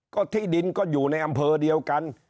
ก็ที่ดินก็อยู่ในอำเภอเดียวกัน